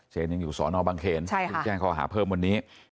เชนยังอยู่สอนอบังเครนใช่ค่ะก็แจ้งขออาหารเพิ่มวันนี้